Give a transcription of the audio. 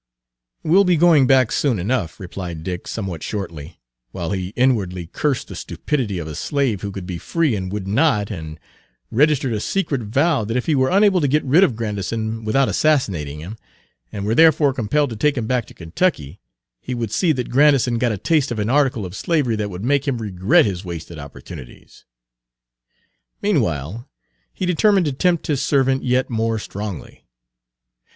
"We'll be going back soon enough," replied Dick somewhat shortly, while he inwardly cursed the stupidity of a slave who could be free and would not, and registered Page 188 a secret vow that if he were unable to get rid of Grandison without assassinating him, and were therefore compelled to take him back to Kentucky, he would see that Grandison got a taste of an article of slavery that would make him regret his wasted opportunities. Meanwhile he determined to tempt his servant yet more strongly.